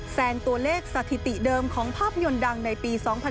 แซนตัวเลขสถิติเดิมของภาพยนตร์ดังในปี๒๕๖๒